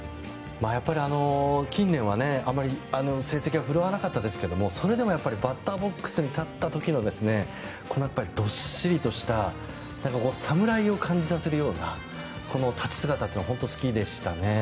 やっぱり近年はあまり成績が振るわなかったですけどそれでもバッターボックスに立った時のこのどっしりとした侍を感じさせるような立ち姿というのが本当に好きでしたね。